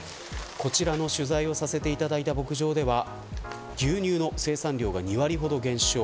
こちらの取材をさせていただいた牧場では牛乳の生産量が２割ほど減少。